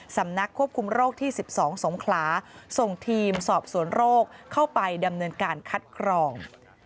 สำนักควบคุมโรคที่๑๒สงขลาส่งทีมสอบสวนโรคเข้าไปดำเนินการคัดกรอง